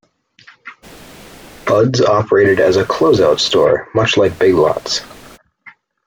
Bud's operated as a closeout store, much like Big Lots.